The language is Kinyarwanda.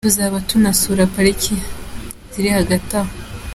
Tuzaba tunasura pariki ziri hagati aho.